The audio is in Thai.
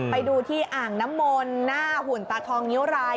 ไปดูที่อ่างน้ำมนต์หน้าหุ่นตาทองนิ้วราย